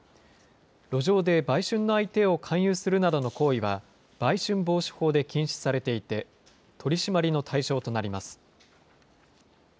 路上で売春の相手を勧誘するなどの行為は売春防止法で禁止されていて、取締りの対象となります。